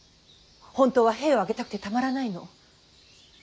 本当は兵を挙げたくてたまらないの。